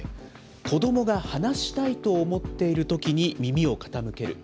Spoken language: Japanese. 子どもが話したいと思っているときに耳を傾ける。